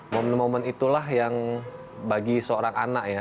momen momen itulah yang bagi seorang anak ya